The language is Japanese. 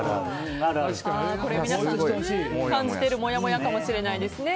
これ、皆さん感じているもやもやかもしれないですね。